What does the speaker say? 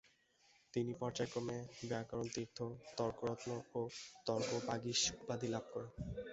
তিনি পর্যায়ক্রমে ‘‘ব্যাকরণতীর্থ’’, ‘‘তর্করত্ন’’ ও ‘‘তর্কবাগীশ’’ উপাধী লাভ করেন।